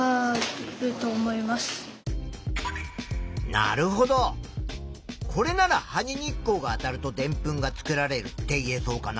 なるほどこれなら「葉に日光があたるとでんぷんが作られる」って言えそうかな？